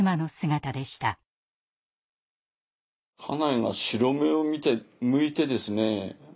家内が白目をむいてですね